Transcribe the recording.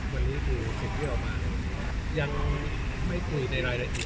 วันนี้คือสิ่งที่ออกมายังไม่คุยในรายละเอียด